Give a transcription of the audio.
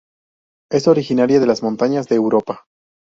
Es originaria de las montañas de Europa.